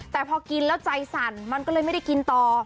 แต่พอกินแล้วใจสั่นมันก็เลยไม่ได้กินต่อ